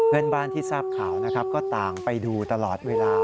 เพื่อนบ้านที่ทราบข่าวนะครับก็ต่างไปดูตลอดเวลา